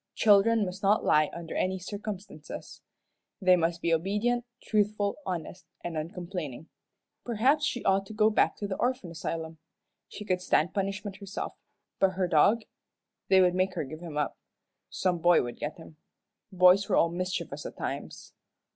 Children must not lie under any circumstances. They must be obedient, truthful, honest, and uncomplaining. Perhaps she ought to go back to the orphan asylum. She could stand punishment herself but her dog? They would make her give him up. Some boy would get him. Boys were all mischievous at times.